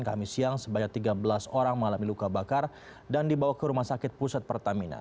kami siang sebanyak tiga belas orang mengalami luka bakar dan dibawa ke rumah sakit pusat pertamina